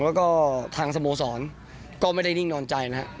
แล้วก็ทางสโมสรก็ไม่ได้นิ่งนอนใจนะครับ